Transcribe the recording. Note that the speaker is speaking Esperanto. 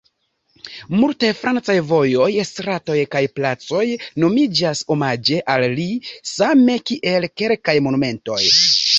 Multaj francaj vojoj, stratoj kaj placoj nomiĝas omaĝe al li, same kiel kelkaj monumentoj.